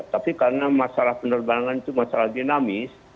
tapi karena masalah penerbangan itu masalah dinamis